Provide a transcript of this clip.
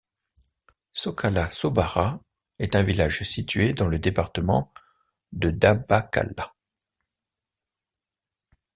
Sokala-Sobara est un village situé dans le département de Dabakala.